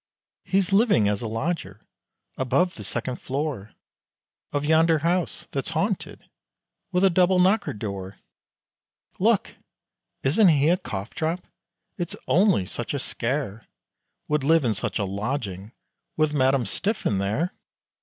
"He's living as a lodger, above the second floor Of yonder house, that's haunted, with double knockered door, Look! isn't he a cough drop? it's only such a scare, Would live in such a lodging, with Madam Stiffin there!"